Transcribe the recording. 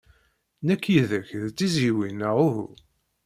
Nekk yid-k d tizzyiwin neɣ uhu?